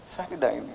saya tidak ingin